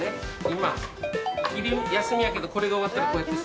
今昼休みやけど終わったらこうやって。